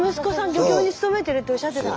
漁協に勤めてるっておっしゃってた。